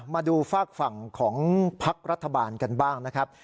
มาดูฝากฝั่งของพักรัฐบาลกันบ้างนะครับ